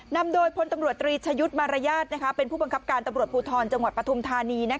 นำโดยพลตำรวจตรีชะยุทธ์มารยาทเป็นผู้บังคับการตำรวจภูทรจังหวัดปฐุมธานี